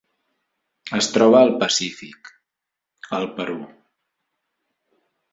Es troba al Pacífic: el Perú.